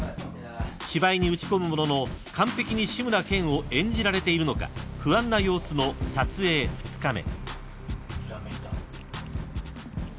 ［芝居に打ち込むものの完璧に志村けんを演じられているのか不安な様子の撮影２日目］